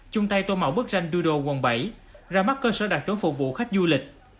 chung tay tô mạo bức ranh doodle quận bảy ra mắt cơ sở đặc trống phục vụ khách du lịch